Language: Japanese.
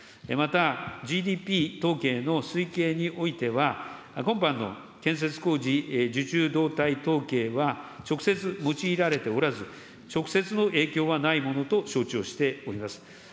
また、ＧＤＰ統計の推計においては、今般の建設工事受注動態統計は、直接用いられておらず、直接の影響はないものと承知をしております。